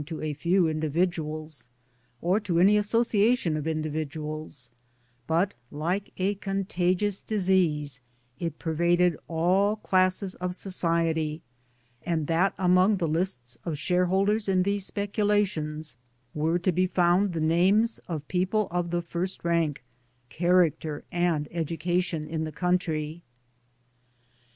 to a few individuals, or to any association of individuals, but, like a contagious disease, it pervaded all classes of society ; and that among the lists of Shareholders in these spe culations, were to be found the names of people of the first rank, character^ and educaticm in the country.